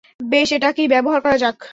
বেশ, এটাকেই ব্যবহার করা যাক।